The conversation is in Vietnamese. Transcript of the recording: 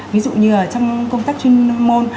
ví dụ như trong công tác chuyên môn